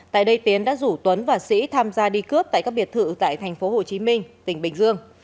tại đây tiến đã rủ tuấn và sĩ tham gia đi cướp tại các biệt thự tại tp hcm tỉnh bình dương